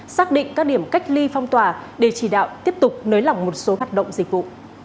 xác định các điểm cách ly phong tỏa để chỉ đạo tiếp tục nới lỏng một số hoạt động dịch vụ